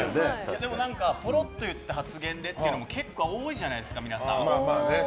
でもぽろっと言った発言でっていうの結構多いじゃないですか、皆さん。